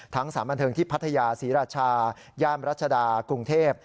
สารบันเทิงที่พัทยาศรีราชาย่านรัชดากรุงเทพ